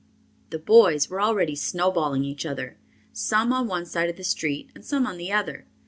The boys were already snowballing each other, some on one side of the street and some on the other.